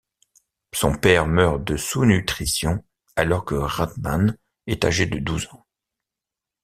Son père meurt de sous-nutrition alors que Rademann est âgé de douze ans.